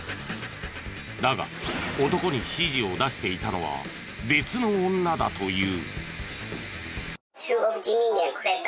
だが男に指示を出していたのは別の女だという。